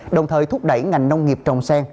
đồng thời thúc đẩy ngành nông nghiệp trồng sen